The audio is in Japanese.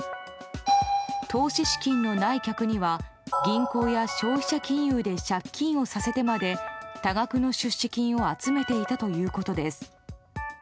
投資資金のない客には銀行や消費者金融で借金をさせてまで多額の出資金を集めていたということです。